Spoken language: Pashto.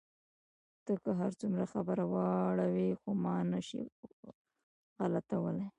ته که هر څومره خبره واړوې، خو ما نه شې غلتولای.